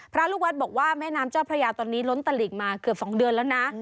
ลูกวัดบอกว่าแม่น้ำเจ้าพระยาตอนนี้ล้นตลิ่งมาเกือบ๒เดือนแล้วนะ